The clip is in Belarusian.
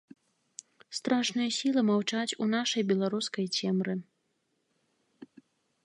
Страшныя сілы маўчаць у нашай беларускай цемры.